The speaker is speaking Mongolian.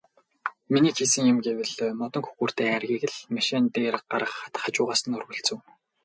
Миний хийсэн юм гэвэл модон хөхүүртэй айргийг л машин дээр гаргахад хажуугаас нь өргөлцөв.